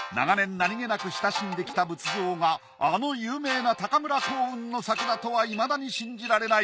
なにげなく親しんできた仏像があの有名な村光雲の作だとはいまだに信じられない。